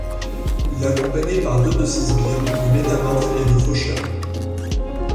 Il est accompagné par deux de ses sbires, Le Métamorphe et Le Faucheur.